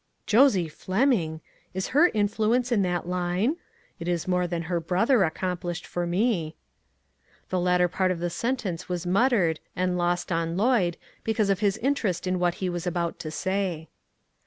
"Josie Fleming! Is her influence in that line? It is more than her brother accom plished for me." The latter part of the sentence was mut tered, and lost on Lloyd, because of his in terest in what he was about to say.